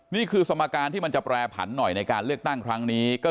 นี่คือสมการที่มันจะแปรผันหน่อยในการเลือกตั้งครั้งนี้